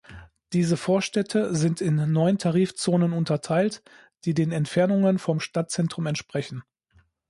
Diese Vorstädte sind in neun Tarifzonen unterteilt, die den Entfernungen vom Stadtzentrum entsprechen.